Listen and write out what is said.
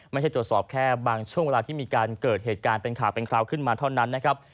ไม่ใช่ตรวจสอบแค่บางช่วงเวลาที่มีการเกิดเหตุการณ์เป็นข่าวเป็นคราวขึ้นมาเท่านั้นนะครับ